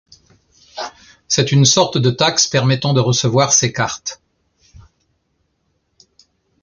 C'est une sorte de taxe permettant de recevoir ses cartes.